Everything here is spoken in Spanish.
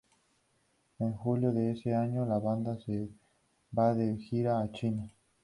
En julio de ese año la banda se va de gira a China.